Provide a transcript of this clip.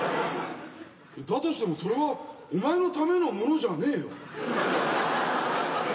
だとしてもそれはお前のためのものじゃねぇよ。